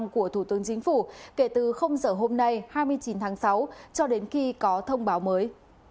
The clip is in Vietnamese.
của thủ tướng chính phủ kể từ giờ hôm nay hai mươi chín tháng sáu cho đến khi có thông báo mới